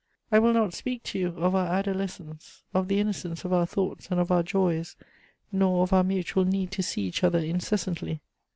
I will not speak to you of our adolescence, of the innocence of our thoughts and of our joys, nor of our mutual need to see each other incessantly.